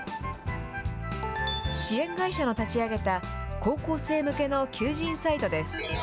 支援会社の立ち上げた高校生向けの求人サイトです。